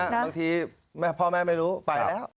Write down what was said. บางทีพ่อแม่ไม่รู้ไปแล้ว